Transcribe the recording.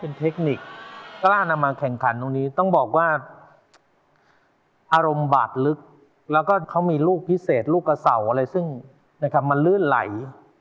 เทคนิคกล้านำมาแข่งขันตรงนี้ต้องบอกว่าอารมณ์บาดลึกแล้วก็เขามีลูกพิเศษลูกกระเสาอะไรซึ่งนะครับมันลื่นไหล